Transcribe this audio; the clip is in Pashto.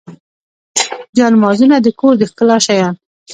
جانمازونه د کور د ښکلا شیان.